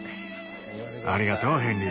ありがとうヘンリー。